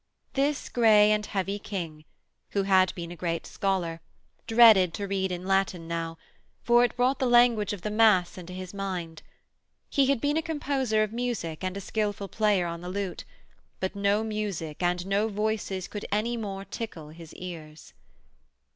This grey and heavy King, who had been a great scholar, dreaded to read in Latin now, for it brought the language of the Mass into his mind; he had been a composer of music and a skilful player on the lute, but no music and no voices could any more tickle his ears.